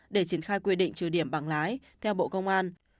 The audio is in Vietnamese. để triển khai quy định trừ điểm bằng lái theo bộ công an